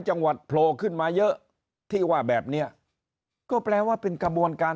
จังหวัดโผล่ขึ้นมาเยอะที่ว่าแบบเนี้ยก็แปลว่าเป็นกระบวนการ